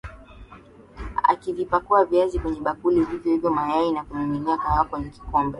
Akavipakua viazi kwenye bakuli. Vivyo hivyo, mayai. Na, kumiminia kahawa kwenye kikombe.